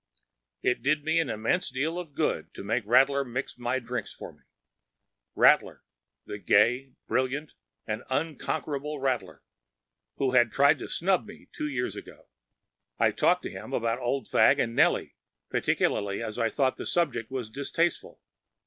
It did me an immense deal of good to make Rattler mix my drinks for me,‚ÄĒRattler! the gay, brilliant, and unconquerable Rattler, who had tried to snub me two years ago! I talked to him about Old Fagg and Nellie, particularly as I thought the subject was distasteful.